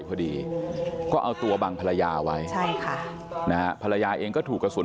พอดีก็เอาตัวบังภรรยาไว้ใช่ค่ะนะฮะภรรยาเองก็ถูกกระสุน